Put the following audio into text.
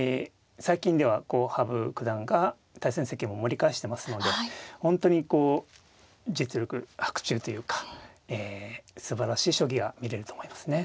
最近では羽生九段が対戦成績を盛り返してますので本当に実力伯仲というかすばらしい将棋が見れると思いますね。